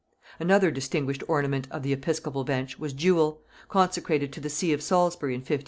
Another distinguished ornament of the episcopal bench was Jewel, consecrated to the see of Salisbury in 1560.